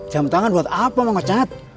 jam tangan buat apa mang ocad